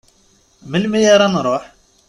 Melmi ara nruḥ?